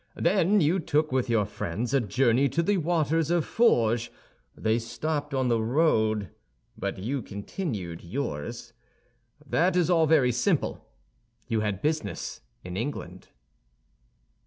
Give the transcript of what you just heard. Then you took with your friends a journey to the waters of Forges; they stopped on the road, but you continued yours. That is all very simple: you had business in England."